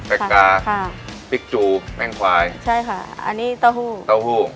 กาค่ะพริกจูแม่งควายใช่ค่ะอันนี้เต้าหู้เต้าหู้